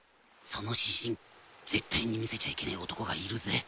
その指針絶対に見せちゃいけねえ男がいるぜ。